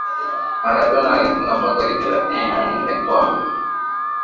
Maradona alifunga magoli thelathini na nne kwa